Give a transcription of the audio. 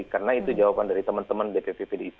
karena itu jawaban dari teman teman bpp pdip